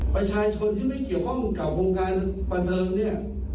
ประชาชนที่ไม่เกี่ยวข้องกับวงการบันเทิงเนี่ย